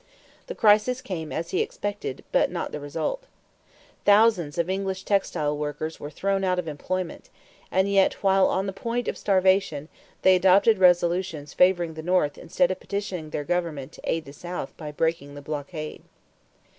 The crisis came as he expected but not the result. Thousands of English textile workers were thrown out of employment; and yet, while on the point of starvation, they adopted resolutions favoring the North instead of petitioning their government to aid the South by breaking the blockade.